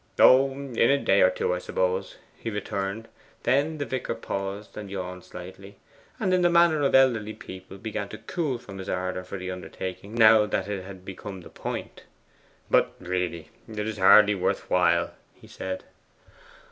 'Oh, in a day or two, I suppose,' he returned. Then the vicar paused and slightly yawned, and in the manner of elderly people began to cool from his ardour for the undertaking now that it came to the point. 'But, really, it is hardly worth while,' he said.